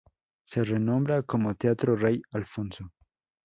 Se renombra como "Teatro Rey Alfonso".